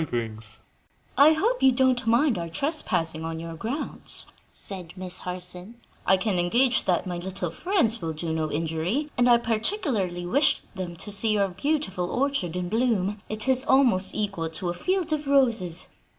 "I hope you don't mind our trespassing on your grounds?" said Miss Harson. "I can engage that my little friends will do no injury, and I particularly wished them to see your beautiful orchard in bloom; it is almost equal to a field of roses."